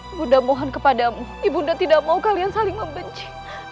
ibu nda mohon kepadamu ibu nda tidak mau kalian saling membenci